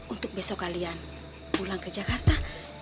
untuk besok kalian pulang ke jakarta